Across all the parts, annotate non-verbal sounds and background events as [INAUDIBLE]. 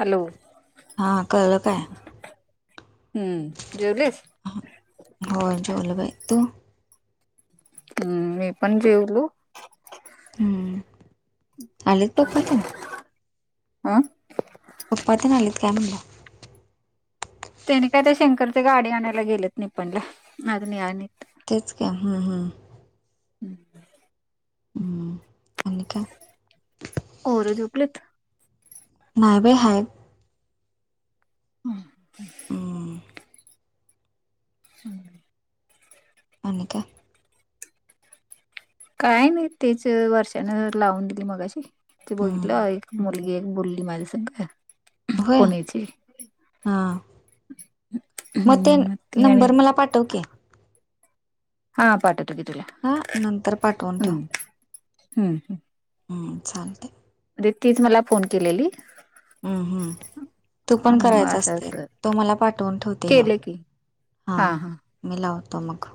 Hello हा कळलं काय? हम्म, जेवलीस? हो, जेवलो बाई तु? हम्म, मी पण जेवलो. हम्म, आलेत पप्पा तेन? आ! पप्पा तेन आलेत काय म्हणलं? तेंन्ही काय त्या शंकरच्या गाडी आणायला गेलेत निपाणी अजून यायला नाहीत. तेच की हम्म हम्म! [UNINTELLIGIBLE] हम्म, आणि काय? पोरं झोपलेत. नाय बाई हाय. हम्म! हम्म. हम्म! आणि काय? काय नाही तिच वर्षान लावून दिली मगाशी ते बघितलं हम्म. ऑ मुलगी एक बोलली माझ्यासंग होय हा! म तेन हम्म ती आणि नंबर मला पाठव की. हा पाठवतो की तुला. हा नंतर पाठवून ठेव. हम्म हम्म, हम्. हम्, चालतंय. रितीच, मला फोन केलेली. हम्म, हम्म. तू पण मग करायचा असं असतंय, असं तुम्हाला पाठवून ठेवते ह्यो. केलं की हा हा. मी लावतो मग.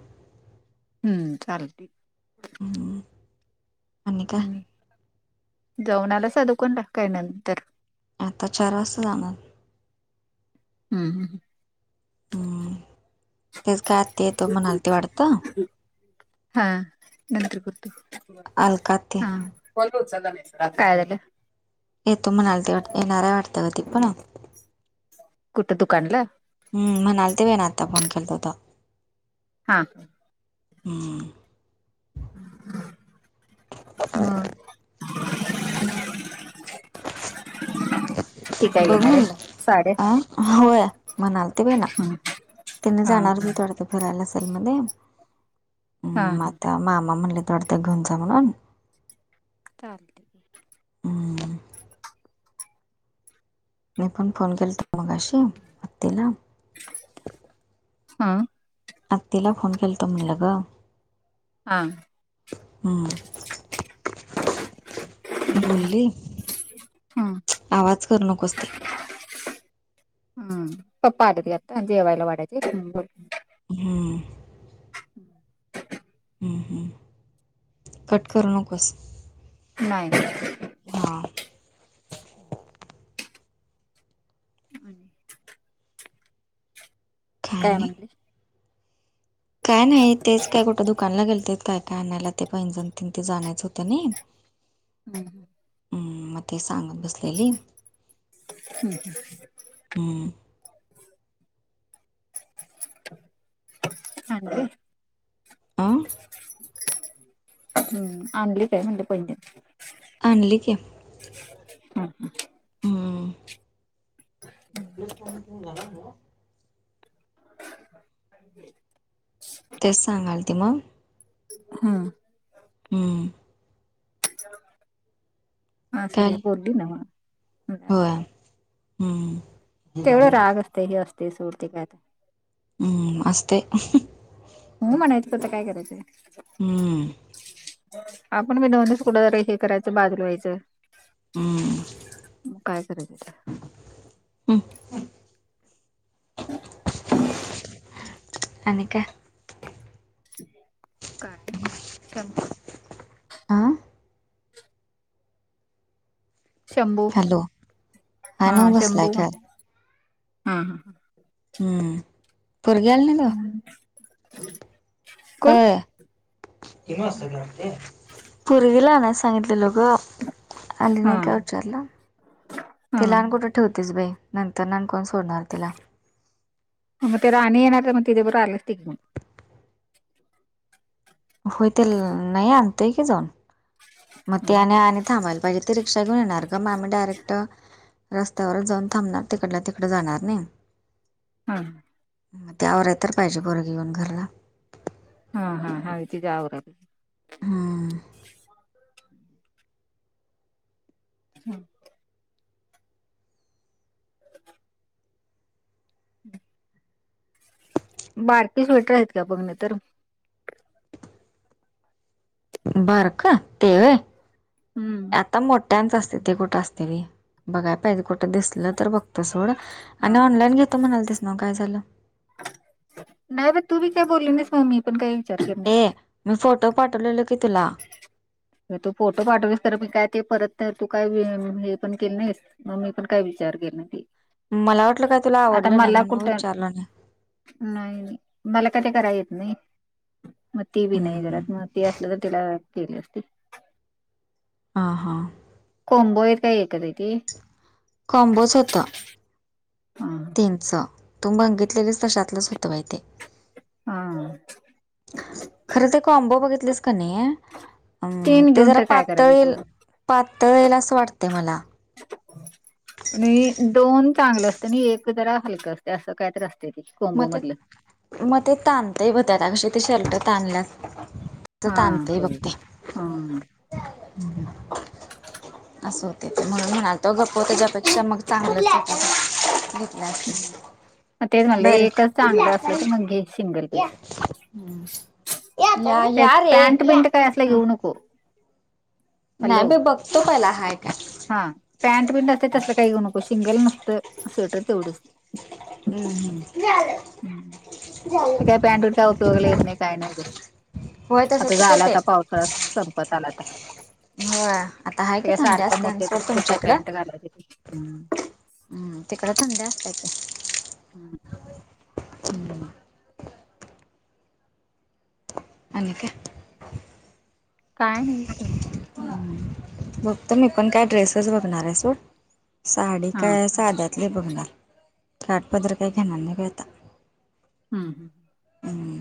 हम्म्, चालते. हम् आणि काय? जावून आलासा दुकानला, काय नंतर? आता चार वाजता जाणार. हम् हम. हम्म्, तेच काय आत्ती येतो म्हणालती वाटतं. हा, नंतर करतो. अलकाते हा, कॉल करतो संध्याकाळी, रात्री. काय झालं? येतो म्हणालती वाट, येणार आहे वाटतं गं ती पण. कुठं दुकानला? हम्, म्हणालते बाईनं आता फोन केलता तवा. हा. हम्. बरं. [UNINTELLIGIBLE] बघ म्हणला, आ? होय, म्हणाला. ते बे ना, त्यांनी हा जाणारच आहे वाटतं. भरायला असेल मध्ये, हा मग आता मामा म्हणलेत वाटतं घेऊन जा म्हणून. चालते. हम्म मी पण फोन केलता मगाशी, अत्तीला. हा. आत्तीला फोन केलता, म्हणलं गं. हां. हम्म. बोलली, ह आवाज करु नकोस ते. हम्म पप्पा आलेत गं आता, जेवायला वाढायचं गरम करून. हम्म. हम्म, हम्म. कट करु नकोसं. नाही, नाही. हा. हम्. आणि काय म्हणले? काय नाही. तेच काय कुठं दुकानला गेलतीत, काय काय आणायला. ते पैंजण तेन तिचं आणायचं होतं नई. हम्. हम्, मग ते सांगत बसलेली. हम् हम् हम्. हम्म. चालतंय. आ हम्म, आणली का म्हणलं पैंजण. आणली की. हम्म. [INAUDIBLE] कलेस क तून जा ह [INAUDIBLE] तेच सांगालती मग. हम्. हम्म्म. असुदे काल बोलली नव्हं मग, होय हम्म, तेवढ राग असतं. तेही असतंय सोड, ते काय आता. हम्म असतंय. हम्म म्हणायचं, आता काय करायचंय. हम्म. आपण पण दोन दिवस कुठतरी हे करायचं बाजुला व्हायचं. म काय करायचं. हम. [UNINTELLIGIBLE] [UNINTELLIGIBLE] आणि काय. काय नाही, शंभू. आं शंभू, हॅलो हा नव बसलाय शंभू काय म्हणलं, हा ह ह. हम्म, पोरगी आली नाही तवा. हा [UNINTELLIGIBLE] कोण ह पोरगीला आणायला सांगितलेलो ग. आणली हा नाही काय विचारलो, हा तिला आणि कुठ ठेवतेच बाई, नंतरन आणि कोण सोडणार तिला. मग ते राणी येणार तर, मग तिच्याबरोबर आली असती की मगं. होय ते, नाही आणतोय की जाऊन. मग ते आणि आणि थांबायला पाहिजे ते रिक्षा घेऊन येणार गं, मगं आम्ही डायरेक्ट रस्त्यावरच जाऊन थांबणार, तिकडल्या तिकडं जाणार नई. हां. मग ती आवरायला तर पाहिजे पोरगी येऊन घरला हा हा हा आहे की तीच आवरत हम्म हा [UNINTELLIGIBLE] [UNINTELLIGIBLE] बारकी स्वेटर आहेत का बघ नाहीतर. बारकं ते व्हय हम्म आता मोठ्यांच असतंय. ते कुठं असतंय व्हयं. बघाय पाहिजे कुठं दिसलं तर बघतो सोडं आणि हा ऑनलाईन घेतो म्हणालतीस न्हवं काय झालं? नाही बाई तू बी काय बोलली नाही स्वामी पण काही विचारु शकत नाही. ए मी फोटो पाठवलेलो की तुला तू फोटो पाठवलीस खरं मी काय ते परत तू काय हे पण केले नाहीस. मग मी पण काय विचार केलं नाही ते मला वाटलं काय तुला आवडलं नाही म्हणून मी कुठं विचारलं नाही. नाही बाई मला काय ते करायला येत नाही मग ती बी नाही हम्म घरात. ते असलं तर तिला केले असते. हा हा, कॉम्बो हाय काय एकत ते. कॉम्बोस होता. हा त्यांचं तू बघितलेलीस तशातलंच होतं बाई ते. हा अ, खरं ते का कॉम्बो बघितलेस का नाही. हम्म तीन ते घेऊन जरा तर काय पातळ करायचं येल तेवढं पातळ येईल असं वाटते मला. आणि दोन चांगलं असतं आणि एक जरा हलकं असते असं कायत असते ती. मग ते मग ते ताणतय ब त्याता कशी ते शेल्ट ताणल्यास. हा हा, ह [INAUDIBLE] असं होतंय म्हणाल तो गप्प त्याच्यापेक्षा मग चांगलंच होत. गुत नाफस मग तेच [INAUDIBLE] म्हणलं बर. एकच चांगलं असलं तर मग घे सिंगल पीस या ते यारे. पॅन्ट बिंट काय असलं घेऊ नको नाही हॅलो बाई बघतो पहिला हाय काय. हा पॅनट पिंट असते तसं काही होऊ नको शिंगल नसतं स्वेटर तेवढेच. हम्म हम्म. ते काय पॅन्टूचा उपयोगला येत नाही काय नाही उगाच. होय तसं होतंय. ला आता पावसाळा संपत आला आता. होय आता आहे की थंडच असतात. त कुटा पँंट गालाते हम्म. हम्म तिकड थंड असत्या की. हम्म. ह [INAUDIBLE] आणि काय. काय नाही तुमच्याकडे. बघतो मी पण काय ड्रेसेस बघणार आहे सोड साडी हा काय साध्यात. कले बघणार काटपदर काही घेणार नाही बाई आता. हम हम. हम.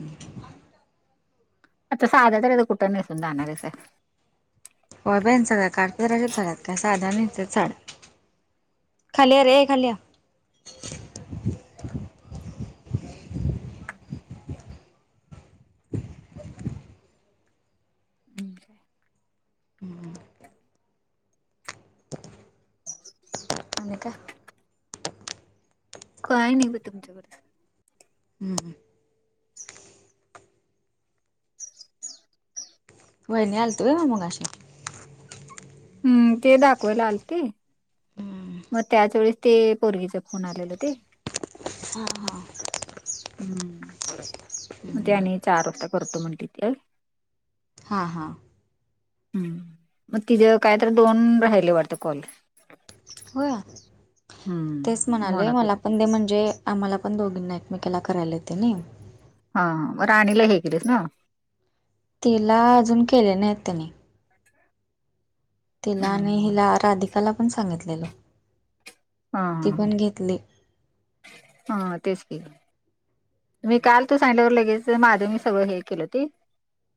आता साड्या तरी कुठं नेून जाणार आहेस. होय बाई सगळ्या काठपदराच्या झाल्यात काय साधा नाहीतर साड्या. खाल्ल्या रे खालया. ह [INAUDIBLE] ब् [INAUDIBLE] हम्म हम्म. [INAUDIBLE] आणि काय. का नाही ब तुमच्याकडेच. हम हम. वाहिनी आलतोय होय मघाशी. हम्म ते दाखवायला आलते. हम्म मग त्याचवेेळेस ते पोरगीचा फोन आलेल ते. हा हा हम्म, मग ते आणि चार करतो म्हण तथ. हां हां. हम् मग तिथं काय तर दोन राहिले वाटते कॉल. होया हम्म. तेचं म्हणाले म्हणत मला होती पण दे म्हणजे. आम्हाला पण दोघींना एकमेकला करायला तेनी. हा मग राणीला हे केलेस ना. तिला अजून केले नाही आहेत त्यांनी. ह. तिला आणि हिला राधिकाला पण सांगितलेल. हा ह हा तेचं कि. मी काल तू सांगितलावर लगेच माझं मी सगळं हे केलं ते.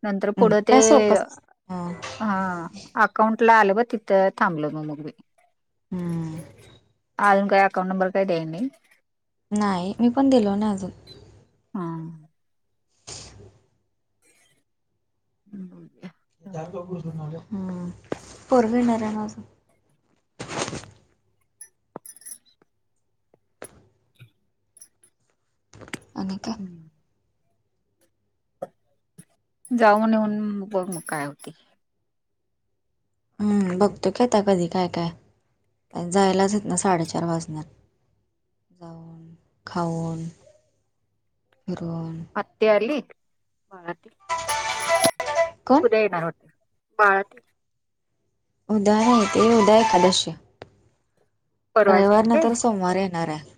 नंतर हम्म पुढं ते काय सोपच अस हा. अकाउंट ला आलं ब तिथं थांबल म बाई. हम्म, अजून अकाउंट नंबर काय देय नाही. नाही मी पण दिलो ना अजून. हा. [UNINTELLIGIBLE] हम् हम्म [INAUDIBLE] पररवी येणार आहे नां अनिकेत. जाऊनं येऊन बघ मग काय होती. हम्म बघतो की आता कधी काय काय जायलाच येत ना साडेचार वाजणार. जाऊन खाऊन फिरून. आत्या आली बाळती कोण उद्या येणार वाटतं. बाळतं. उदया हे ते उद्या एकादशी. परवा रविवार येईल नंतर सोमवार येणार आहे.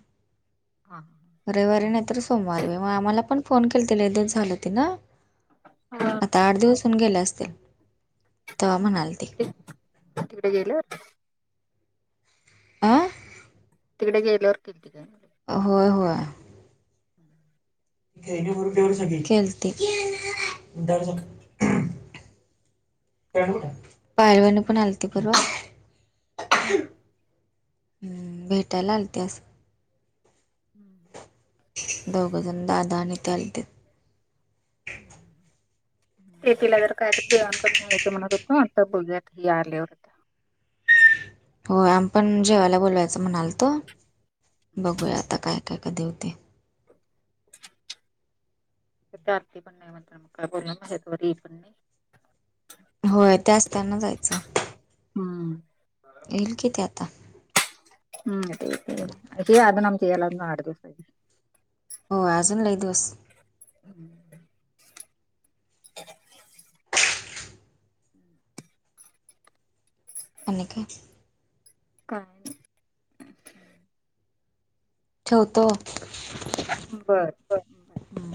हा हा. रविवारी नाहीतर सोमवारी आम्हाला पण फोन केलते लई दिवस झालं ते ना. हा आता आठ दिवसन गेले असतील. तेव्हा म्हणालती ह तिकडे गेलं होते. अ. तिकडे गेल्यावरती ठिक ठिकाणी. होय होय. हम, केलती. पौवन पण आलती परवा. हम्म, ह भेटायला आलते असं. हम्म, दोघंजण दादा आणि ताई आलतेत [UNINTELLIGIBLE] ते तिला जरा काय तरी देवाण करून यायच म्हणत होतो आता बघूयात ही आल्यावर होय आम्ही पण जेवायला बोलवायचं म्हणालतो बघूया आता काय काय कधी होते त्या आरती पण नाही [UNINTELLIGIBLE] होय त्या असताना जायचं हू हू येईल कि त्या आता हू येतय येतंय येतंय आजुन आमच्या यायला अजून आठ दिवस आहेत हो अजून लई दिवस अनिकेत काय नाही ठेवतो बरं हम्म